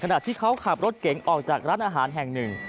ขณะที่เขาขับรถเก๋งออกจากร้านอาหารแห่งหนึ่ง